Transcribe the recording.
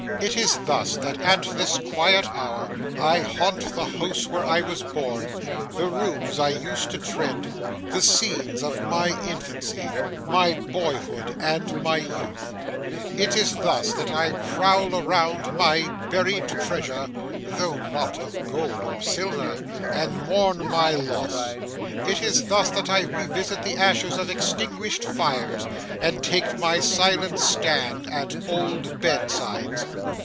It is thus that at this quiet hour I haunt the house where I was born, the rooms I used to tread, the scenes of my infancy, my boyhood, and my youth; it is thus that I prowl around my buried treasure (though not of gold or silver), and mourn my loss; it is thus that I revisit the ashes of extinguished fires, and take my silent stand at old bedsides.